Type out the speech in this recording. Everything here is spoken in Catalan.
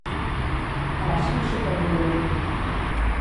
Abaixa un xic el volum.